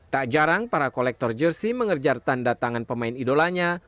tak jarang para kolektor jersey mengejar tanda tangan pemain idolanya